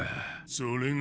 それが。